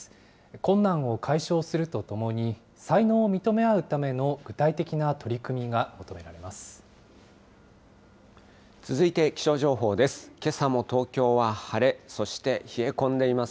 困難を解消するとともに、才能を認め合うための具体的な取り組みが求められます。